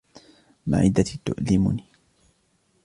معدتي تؤلمني.